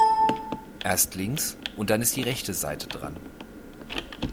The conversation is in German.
Erst links und dann ist die rechte Seite dran.